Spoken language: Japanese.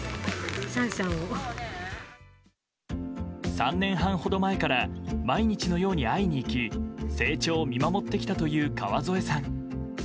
３年半ほど前から毎日のように会いに行き成長を見守ってきたという川添さん。